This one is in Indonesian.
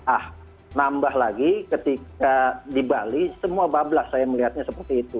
ah nambah lagi ketika di bali semua bablas saya melihatnya seperti itu